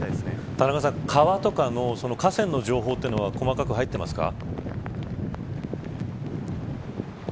田中さん、河川の情報は細かく入ってますか。